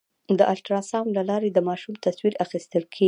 د الټراساونډ له لارې د ماشوم تصویر اخیستل کېږي.